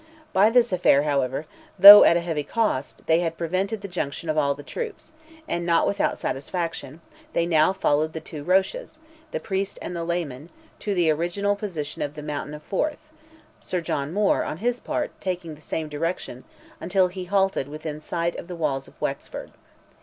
By this affair, however, though at a heavy cost, they had prevented the junction of all the troops, and, not without satisfaction, they now followed the two Roches, the priest and the layman, to the original position of the mountain of Forth; Sir John Moore, on his part, taking the same direction, until he halted within sight of the walls of Wexford.